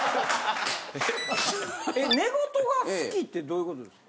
寝言が好きってどういうことですか？